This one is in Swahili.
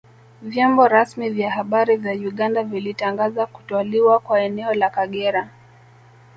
Vyombo rasmi vya habari vya Uganda vilitangaza kutwaliwa kwa eneo la Kagera